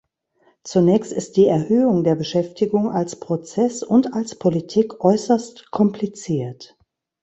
Zunächst ist die Erhöhung der Beschäftigung als Prozess und als Politik äußerst kompliziert.